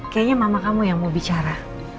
kayaknya mama kamu yang mau bicara